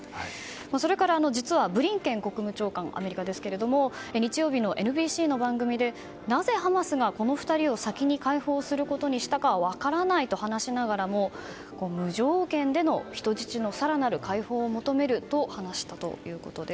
それから、実はアメリカのブリンケン国務長官ですけれども日曜日のＮＢＣの番組でなぜハマスがこの２人を先に解放することにしたかは分からないと話しながらも無条件での、人質の更なる解放を求めると話したということです。